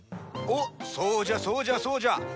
おっそうじゃそうじゃそうじゃ。